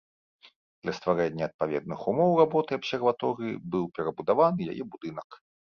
Для стварэння адпаведных умоў работы абсерваторыі быў перабудаваны яе будынак.